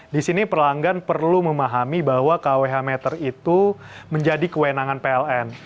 di sini pelanggan perlu memahami bahwa kwh meter itu menjadi kewenangan pln